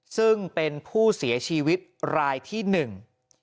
ซึ่งเป็นผู้เสียชีวิตรายที่หนึ่ง